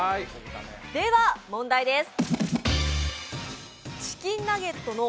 では問題です。